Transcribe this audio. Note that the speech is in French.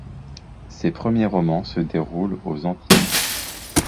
Ses premiers romans se déroulent aux Antilles.